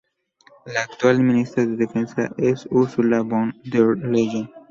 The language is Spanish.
La actual ministra de defensa es Ursula von der Leyen.